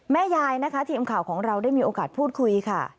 แม่ยายนะคะทีมข่าวของเราได้มีโอกาสพูดคุยค่ะ